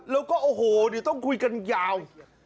แล้วก็โอ้โฮต้องคุยกันยาว